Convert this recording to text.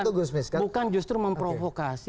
bukan justru memprovokasi